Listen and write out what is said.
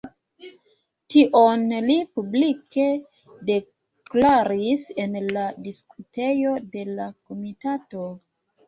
Tion li publike deklaris en la diskutejo de la komitato.